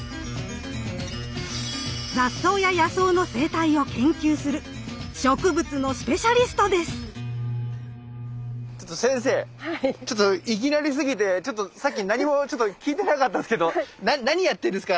雑草や野草の生態を研究するちょっと先生ちょっといきなりすぎてさっき何も聞いてなかったんですけど何やってるんですか？